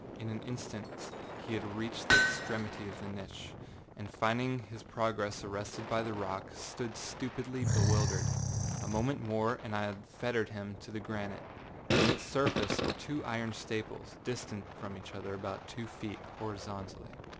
In an instant he had reached the extremity of the niche, and finding his progress arrested by the rock, stood stupidly bewildered. A moment more and I had fettered him to the granite. In its surface were two iron staples, distant from each other about two feet, horizontally.